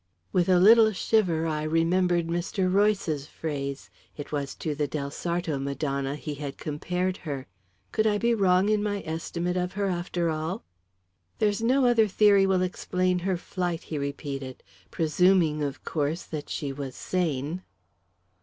With a little shiver, I remembered Mr. Royce's phrase it was to the del Sarto Madonna he had compared her! Could I be wrong in my estimate of her, after all? "There's no other theory will explain her flight," he repeated. "Presuming, of course, that she was sane."